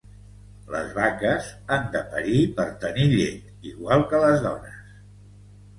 Les vaques han de parir per tenir llet, igual que les dones.